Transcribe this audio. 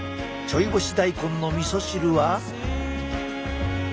ちょい干し大根のみそ汁は？